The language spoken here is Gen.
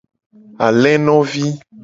Alenovi.